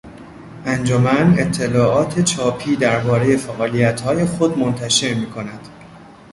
انجمن اطلاعات چاپی دربارهی فعالیتهای خود منتشر میکند.